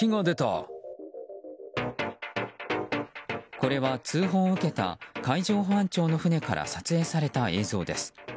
これは、通報を受けた海上保安庁の船から撮影された映像です。